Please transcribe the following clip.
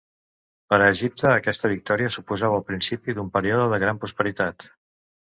Per a Egipte, aquesta victòria suposava el principi d'un període de gran prosperitat.